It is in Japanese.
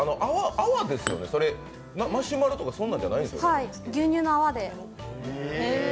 泡ですよね、それ、マシュマロとかそんなんじゃないんですか？